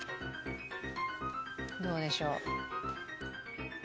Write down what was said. どうでしょう？